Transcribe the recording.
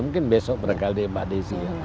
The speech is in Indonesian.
mungkin besok berangkat di mbak desi ya